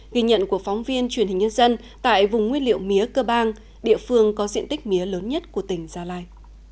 ghi nhận của phóng viên truyền hình nhân dân tại vùng nguyên liệu mía cơ bang địa phương có diện tích mía lớn nhất của tỉnh gia lai